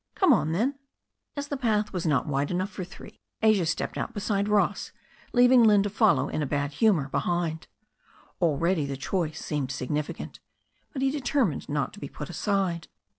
"Come on, then." As the path was not wide enough for three, Asia stepped out beside Ross, leaving Lynne to follow in a bad humour behind. Already the choice seemed significant. But he determined not to be put aside.